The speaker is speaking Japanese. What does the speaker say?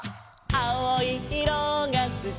「あおいいろがすき」